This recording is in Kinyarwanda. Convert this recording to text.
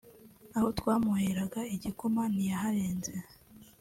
aho twamuheraga igikoma ntiyaharenze